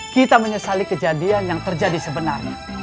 kita menyesali kejadian yang terjadi sebenarnya